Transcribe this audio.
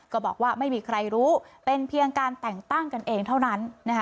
ก็บอกว่าไม่มีใครรู้เป็นเพียงการแต่งตั้งกันเองเท่านั้น